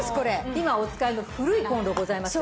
今お使いの古いコンロございますよね。